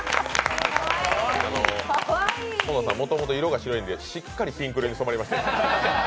河野さん、もともと色が白いんでしっかりピンク色に染まりましたよ、今。